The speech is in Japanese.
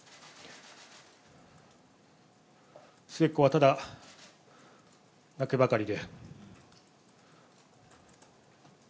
末っ子はただ、泣くばかりで。